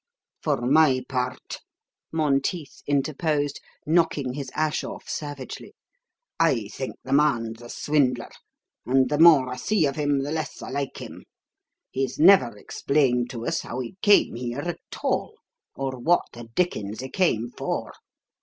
"For my part," Monteith interposed, knocking his ash off savagely, "I think the man's a swindler; and the more I see of him, the less I like him. He's never explained to us how he came here at all, or what the dickens he came for.